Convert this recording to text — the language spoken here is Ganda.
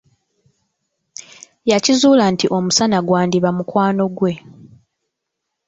Yakizuula nti omusana gwandiba mukwano gwe.